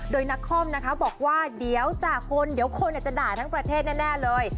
โดยนักคอมนะคะบอกว่าเดี๋ยวจากคนเดี๋ยวคนจะด่าทั้งประเทศแน่เลย